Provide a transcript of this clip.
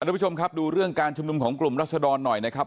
ทุกผู้ชมครับดูเรื่องการชุมนุมของกลุ่มรัศดรหน่อยนะครับ